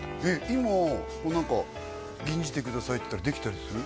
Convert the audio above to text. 今何か吟じてくださいって言ったらできたりする？